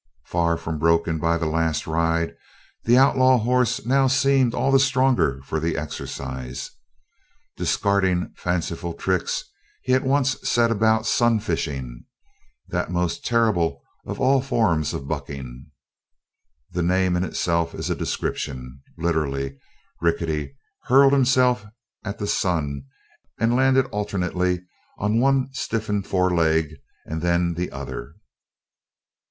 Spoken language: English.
Far from broken by the last ride, the outlaw horse now seemed all the stronger for the exercise. Discarding fanciful tricks, he at once set about sun fishing, that most terrible of all forms of bucking. The name in itself is a description. Literally Rickety hurled himself at the sun and landed alternately on one stiffened foreleg and then the other.